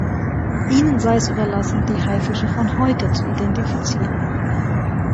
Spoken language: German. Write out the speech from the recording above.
Ihnen sei es überlassen, die Haifische von heute zu identifizieren.